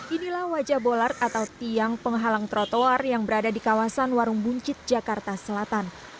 inilah wajah bolart atau tiang penghalang trotoar yang berada di kawasan warung buncit jakarta selatan